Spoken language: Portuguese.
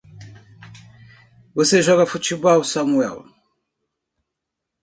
Você joga futebol, Samuel?